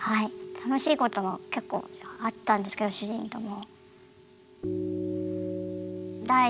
楽しいことも結構あったんですけど主人とも。